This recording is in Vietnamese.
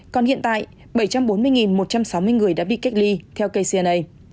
còn hiện tại bảy trăm bốn mươi một trăm sáu mươi người đã bị cách ly theo kcna